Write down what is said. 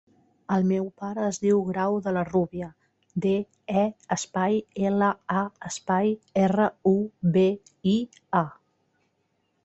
El meu pare es diu Grau De La Rubia: de, e, espai, ela, a, espai, erra, u, be, i, a.